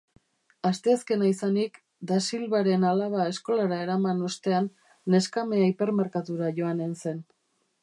Asteazkena izanik, Dasilvaren alaba eskolara eraman ostean, neskamea hipermerkatura joanen zen.